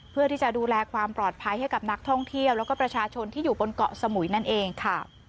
เพื่อที่จะดูแลความปลอดภัยให้กับนักท่องเที่ยวแล้วก็ประชาชนที่อยู่บนเกาะสมุยนั่นเองค่ะ